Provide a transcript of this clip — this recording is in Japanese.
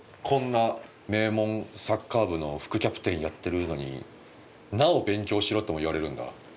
こんな名門サッカー部の副キャプテンやってるのになお勉強しろとも言われるんだ。